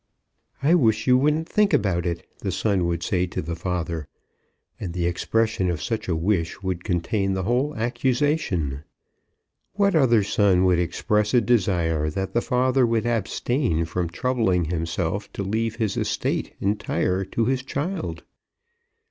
"I wish you wouldn't think about it," the son would say to the father; and the expression of such a wish would contain the whole accusation. What other son would express a desire that the father would abstain from troubling himself to leave his estate entire to his child?